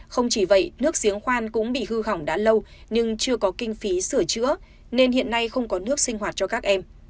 không chỉ vậy nước giếng khoan cũng bị hư hỏng đã lâu nhưng chưa có kinh phí sửa chữa nên hiện nay không có nước sinh hoạt cho các em